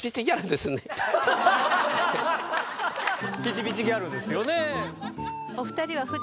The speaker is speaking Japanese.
ピチピチギャルですよね。